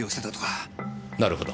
なるほど。